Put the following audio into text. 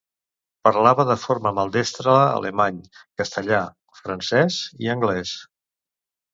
Parlava de forma maldestre alemany, castellà, francès i anglès.